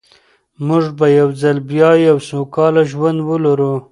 موږ به یو ځل بیا یو سوکاله ژوند ولرو.